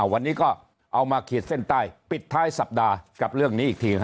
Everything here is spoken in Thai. วันนี้ก็เอามาขีดเส้นใต้ปิดท้ายสัปดาห์กับเรื่องนี้อีกที